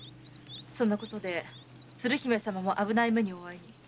そのことで鶴姫様も危ない目に遭われ。